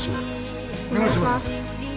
お願いします。